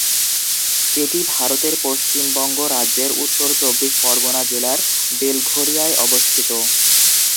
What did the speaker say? এটি ভারতের পশ্চিমবঙ্গ রাজ্যের উত্তর চব্বিশ পরগণা জেলার বেলঘরিয়ায় অবস্থিত।